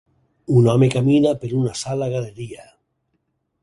Un home camina per una sala galeria.